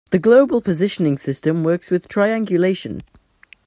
The global positioning system works with triangulation.